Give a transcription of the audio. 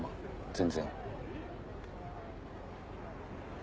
全然。